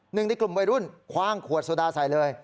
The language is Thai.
หนึ่งในกลุ่มวัยรุ่นคว่างขวดโซดาใส่เลย